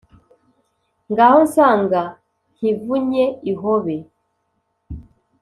ngaho nsanga nkivunye ihobe